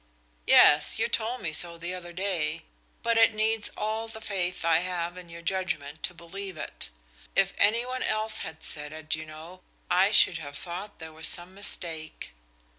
"Yes; you told me so the other day; but it needs all the faith I have in your judgment to believe it. If any one else had said it, you know, I should have thought there was some mistake."